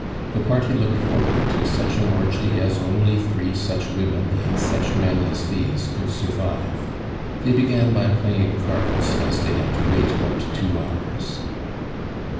The party looked forward to such an orgy as only three such women and such men as these could survive. They began by playing cards, as they had to wait about two hours.